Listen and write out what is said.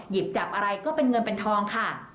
หยิบจับอะไรก็เป็นเงินเป็นทองค่ะ